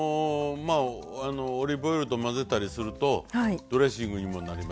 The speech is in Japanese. オリーブオイルと混ぜたりするとドレッシングにもなります。